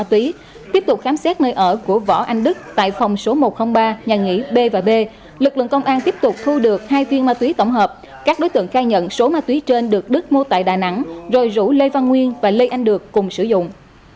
tiếp tục khám xét nơi ở của võ anh đức tại phòng số một trăm linh ba nhà nghỉ b và b lực lượng công an tiếp tục thu được hai viên ma túy tổng hợp các đối tượng khai nhận số ma túy trên được đức mua tại đà nẵng rồi rủ lê văn nguyên và lê anh được cùng sử dụng